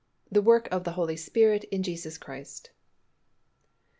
THE WORK OF THE HOLY SPIRIT IN JESUS CHRIST.